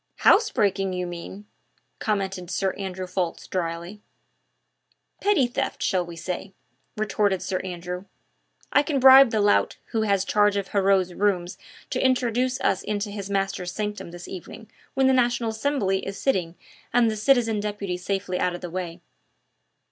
"House breaking, you mean!" commented Sir Andrew Ffoulkes dryly. "Petty theft, shall we say?" retorted Sir Percy. "I can bribe the lout who has charge of Heriot's rooms to introduce us into his master's sanctum this evening when the National Assembly is sitting and the citizen deputy safely out of the way."